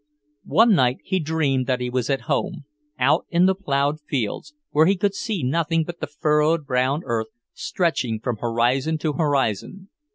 One night he dreamed that he was at home; out in the ploughed fields, where he could see nothing but the furrowed brown earth, stretching from horizon to horizon.